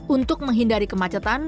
untuk menghindari kemacetan